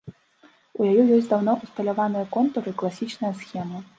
У яе ёсць даўно ўсталяваныя контуры, класічныя схемы.